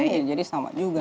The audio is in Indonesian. jadi sama juga